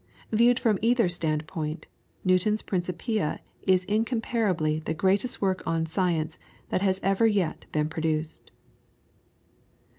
Viewed from either standpoint, Newton's "Principia" is incomparably the greatest work on science that has ever yet been produced.